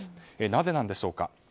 なぜなんでしょうか。